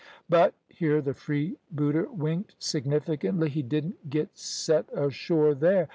But" here the freebooter winked significantly "he didn't git set ashore there.